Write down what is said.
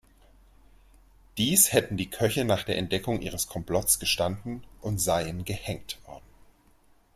Dies hätten die Köche nach der Entdeckung ihres Komplotts gestanden und seien gehängt worden.